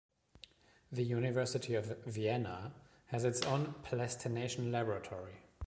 The University of Vienna has its own plastination laboratory.